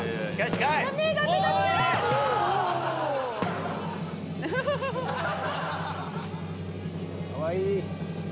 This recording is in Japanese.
かわいい！